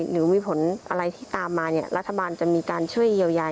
หรือมีผลอะไรที่ตามมาเนี่ยรัฐบาลจะมีการช่วยเยียวยา